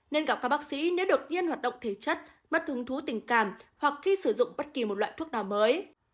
nên gặp các bác sĩ nếu đột nhiên hoạt động thể chất bất thường thú tình cảm hoặc khi sử dụng bất kỳ một loại thuốc nào mới